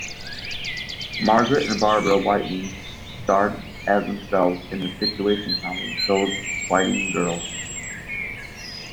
Margaret and Barbara Whiting starred as themselves in the situation comedy "Those Whiting Girls".